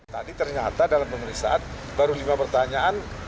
tadi ternyata dalam pemeriksaan baru lima pertanyaan